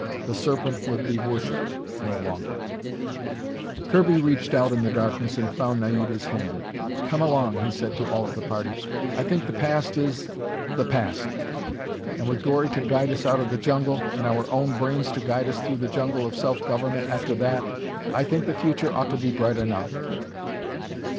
The Serpent would be worshipped no longer. Kirby reached out in the darkness and found Naida's hand. "Come along," he said to all of the party. "I think the past is the past. And with Gori to guide us out of the jungle, and our own brains to guide us through the jungle of self government after that, I think the future ought to be bright enough."